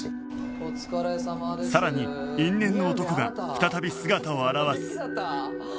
さらに因縁の男が再び姿を現す